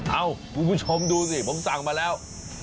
เอ้าคุณผู้ชมดูสิผมสั่งมาแล้ว